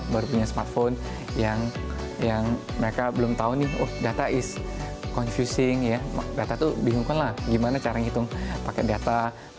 baru punya smartphone yang mereka belum tahu nih oh data is confusing ya data tuh bingungkan lah gimana cara ngitung pakai data